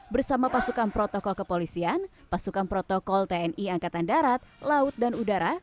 bersama pasukan protokol kepolisian pasukan protokol tni angkatan darat laut dan udara